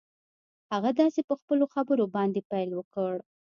هغه داسې په خپلو خبرو باندې پيل وکړ.